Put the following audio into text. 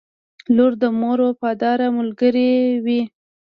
• لور د مور وفاداره ملګرې وي.